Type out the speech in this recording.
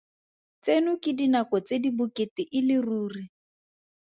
Tseno ke dinako tse di bokete e le ruri.